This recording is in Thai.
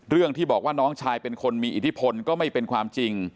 เรื่องที่บอกว่าน้องชายเป็นคนมีอิทธิพลก็ไม่เป็นความจริง